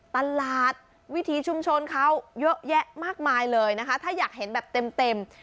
ตลาดวิถีชุมชนเขาเยอะแยะมากมายเลยนะคะถ้าอยากเห็นแบบเต็ม